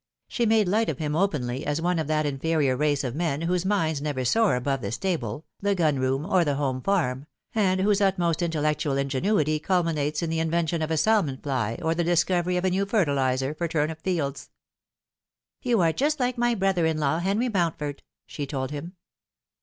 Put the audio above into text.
She made light of him openly as one of that inferior race of men whose minds never soar above the stable, the gunroom, or the home farm, and whose utmost intellectual ingenuity culminates in the invention of a salmon fly or the discovery of a new fertiliser for turnip fields. "You are just like my brother in law, Henry Mountford," she told him.